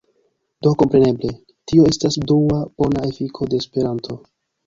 Do kompreneble, tio estas dua bona efiko de Esperanto.